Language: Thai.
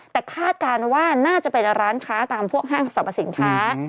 แต่คาดการณ์ว่าน่าจะเป็นร้านค้าตามพวกห้างสรรพสินค้า